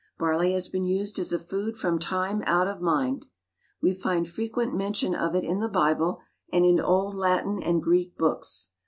Barley has been used as a food from time out of mind. We find frequent mention of it in the Bible, and in old Latin and Greek books.